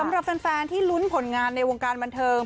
สำหรับแฟนที่ลุ้นผลงานในวงการบันเทิง